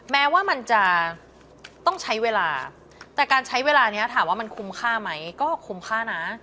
แม้ว่ามันจะต้องใช้เวลาแต่การใช้เวลานี้ถามว่ามันคุ้มค่าไหมก็คุ้มค่านะ